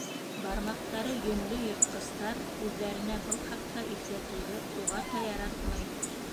Бармаҡтары йөнлө йыртҡыстар үҙҙәренә был хаҡта иҫләтеүҙе уғата яратмай.